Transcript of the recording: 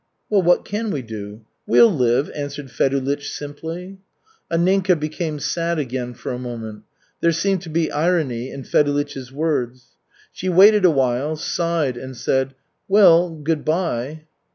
"Well, what can we do? We'll live," answered Fedulych simply. Anninka became sad again for a moment. There seemed to be irony in Fedulych's words. She waited a while, sighed, and said: "Well, good by."